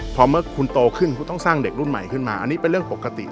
พอเมื่อคุณโตขึ้นคุณต้องสร้างเด็กรุ่นใหม่ขึ้นมาอันนี้เป็นเรื่องปกติ